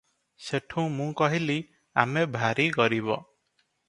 ସେଠୁଁ ମୁଁ କହିଲି- "ଆମେ ଭାରୀ ଗରିବ ।